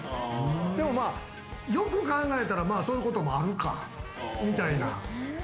でもよく考えたらそういうこともあるかみたいな。